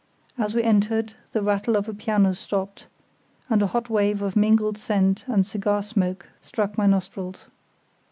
As we entered the rattle of a piano stopped, and a hot wave of mingled scent and cigar smoke struck my nostrils.